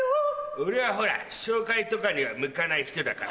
俺はほら紹介とかには向かない人だから。